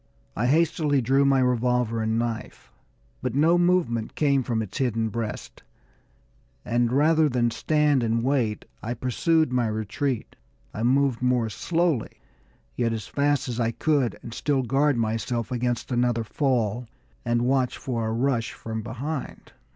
I hastily drew my revolver and knife; but no movement came from its hidden breast, and rather than stand and wait, I pursued my retreat. I moved more slowly, yet as fast as I could and still guard myself against another fall and watch for a rush from behind.